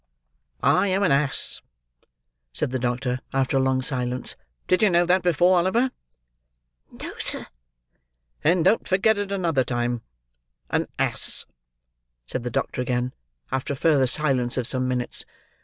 "I am an ass!" said the doctor, after a long silence. "Did you know that before, Oliver?" "No, sir." "Then don't forget it another time." "An ass," said the doctor again, after a further silence of some minutes.